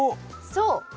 そう。